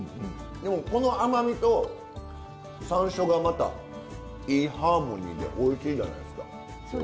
でもこの甘みとさんしょうがまたいいハーモニーでおいしいじゃないですか。